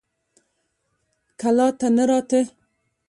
کلا ته نه راته.